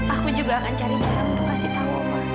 aku juga akan cari cara untuk kasih tahu umar